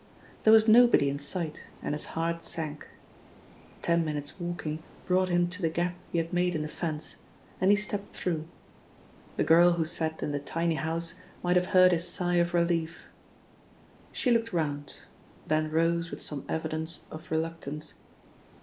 There was nobody in sight, and his heart sank. Ten minutes' walking brought him to the gap he had made in the fence, and he stepped through. The girl who sat in the tiny house might have heard his sigh of relief. She looked round, then rose with some evidence of reluctance.